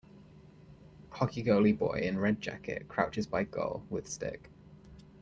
Hockey goalie boy in red jacket crouches by goal, with stick.